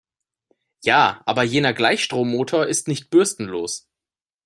Ja, aber jener Gleichstrommotor ist nicht bürstenlos.